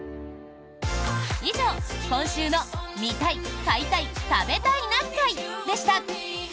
以上、今週の「見たい買いたい食べたいな会」でした。